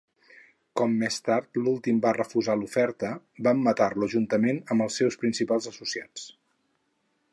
"Com més tard l'últim va refusar l'oferta, van matar-lo juntament amb els seus principals associats."